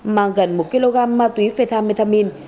mang gần một kg ma túy phetamethamine